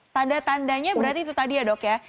tanda tandanya berarti itu tadi ya dok ya